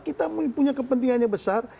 kita punya kepentingannya besar